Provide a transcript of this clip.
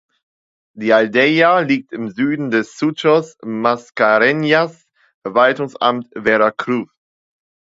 Die Aldeia liegt im Süden des Sucos Mascarenhas (Verwaltungsamt Vera Cruz).